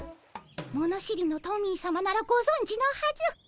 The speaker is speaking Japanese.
物知りのトミーさまならごぞんじのはず。